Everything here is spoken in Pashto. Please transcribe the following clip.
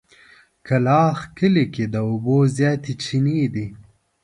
کلاخ کلي کې د اوبو زياتې چينې دي.